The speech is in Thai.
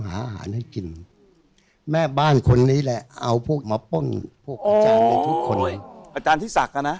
อาจารย์ที่ศักดิ์นะ